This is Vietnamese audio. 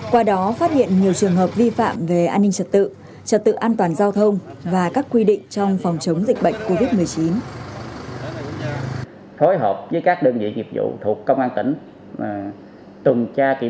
qua đó phát hiện nhiều trường hợp vi phạm về an ninh trật tự trật tự an toàn giao thông và các quy định trong